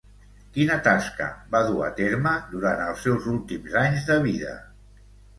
Quina tasca va dur a terme durant els seus últims anys de vida?